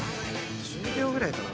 １０秒ぐらいかな？